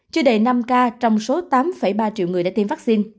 chưa đầy năm ca trong số dân số nói chung